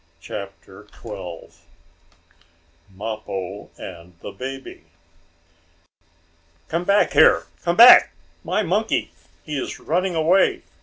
CHAPTER XII MAPPO AND THE BABY "Come back here! Come back! My monkey! He is running away!"